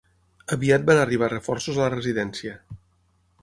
Aviat van arribar reforços a la residència.